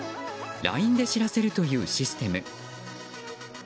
ＬＩＮＥで知らせるというシステム。